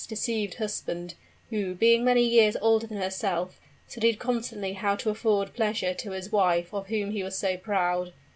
deceived husband, who, being many years older than herself, studied constantly how to afford pleasure to the wife of whom he was so proud.